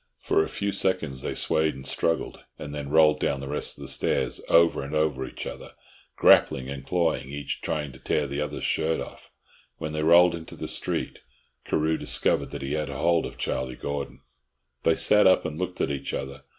For a few seconds they swayed and struggled, and then rolled down the rest of the stairs, over and over each other, grappling and clawing, each trying to tear the other's shirt off. When they rolled into the street, Carew discovered that he had hold of Charlie Gordon. They sat up and looked at each other.